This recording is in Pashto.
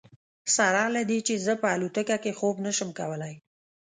سره له دې چې زه په الوتکه کې خوب نه شم کولی.